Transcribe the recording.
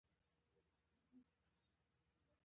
نا اميدي ملت له پښو غورځوي.